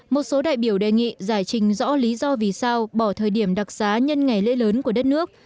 một số đại biểu đề nghị giải trình rõ lý do vì sao bỏ thời điểm đặc xá nhân ngày lễ lớn của đất nước